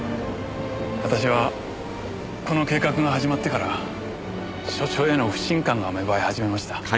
私はこの計画が始まってから所長への不信感が芽生え始めました。